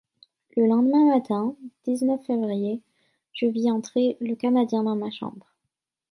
Le lendemain matin, dix-neuf février, je vis entrer le Canadien dans ma chambre.